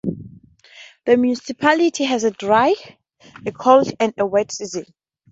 The municipality has a dry, a cold, and a wet season.